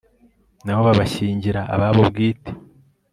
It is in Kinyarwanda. na bo babashyingira ababo bwite